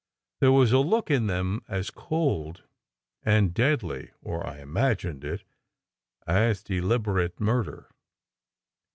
There was a look in them as cold and deadly or I imagined it as deliberate murder.